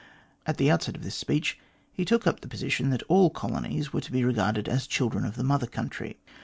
At the outset of this speech, he took up the position that all colonies were to be regarded as children of the Mother Country.